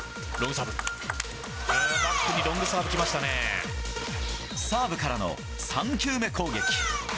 バックにロングサーブ、サーブからの３球目攻撃。